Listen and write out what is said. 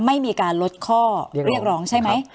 ไม่มีการลดข้อเรียกร้องใช่ไหม